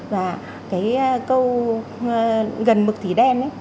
và cái câu gần mực thì đen ấy